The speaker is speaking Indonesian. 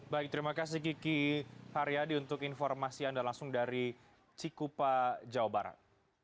baik terima kasih kiki haryadi untuk informasi anda langsung dari cikupa jawa barat